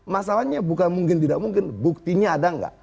masalahnya bukan mungkin tidak mungkin buktinya ada nggak